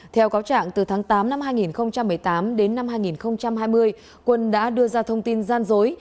theo cáo trạng từ tháng tám năm hai nghìn một mươi tám đến năm hai nghìn hai mươi quân đã đưa ra thông tin gian dối